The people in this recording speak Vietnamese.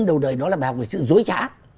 đầu đời nó là bài học về sự dối trá